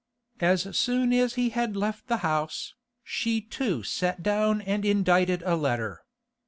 As soon as he had left the house, she too sat down and indited a letter.